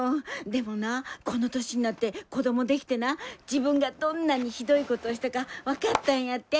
でもなこの年になって子供できてな自分がどんなにひどいことをしたか分かったんやって！